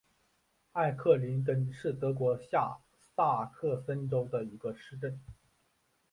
艾克林根是德国下萨克森州的一个市镇。